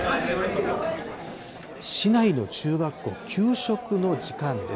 市内の中学校、給食の時間です。